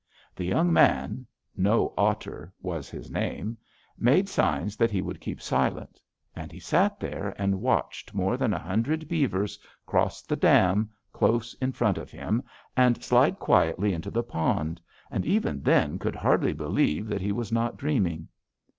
"The young man No Otter was his name made signs that he would keep quiet. And he sat there and watched more than a hundred beavers cross the dam close in front of him, and slide quietly into the pond, and even then could hardly believe that he was not dreaming.